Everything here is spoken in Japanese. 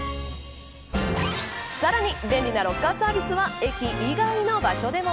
さらに、便利なロッカーサービスは駅以外の場所でも。